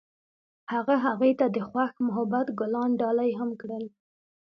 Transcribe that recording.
هغه هغې ته د خوښ محبت ګلان ډالۍ هم کړل.